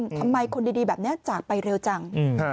ทำไมคนดีแบบนี้จากไปเร็วจัง